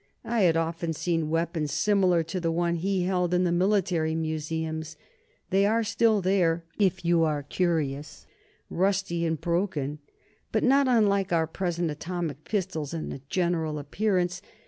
I had often seen weapons similar to the one he held in the military museums. They are still there, if you are curious rusty and broken, but not unlike our present atomic pistols in general appearance.